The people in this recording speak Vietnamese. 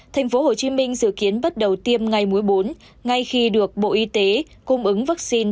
tp hcm dự kiến bắt đầu tiêm ngay bốn ngay khi được bộ y tế cung ứng vaccine